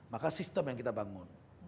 maka sistem yang kita bangun